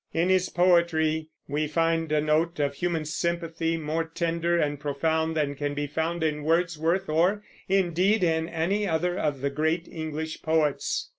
In his poetry we find a note of human sympathy, more tender and profound than can be found in Wordsworth or, indeed, in any other of the great English poets.